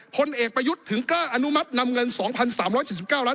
พลเอกประยุทธ์ถึงกล้าอนุมัตินำเงิน๒๓๗๙ล้าน